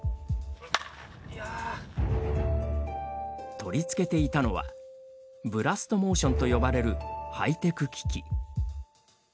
取り付けていたのはブラストモーションと呼ばれるハイテク機器。